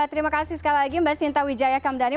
terima kasih sekali lagi mbak sinta wijaya kamdhani